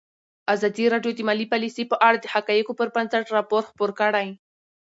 ازادي راډیو د مالي پالیسي په اړه د حقایقو پر بنسټ راپور خپور کړی.